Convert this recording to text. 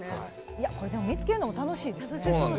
これ、見つけるのも楽しいですね。